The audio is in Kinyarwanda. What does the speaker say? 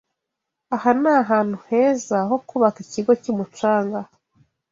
Aha ni ahantu heza ho kubaka ikigo cyumucanga.